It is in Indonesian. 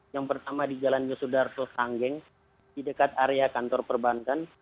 yang pertama di jalan yosudarto sanggeng di dekat area kantor perbankan